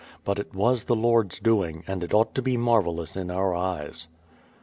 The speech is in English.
But it was the Lord's doing, and it ought to be marvellous in our eyes.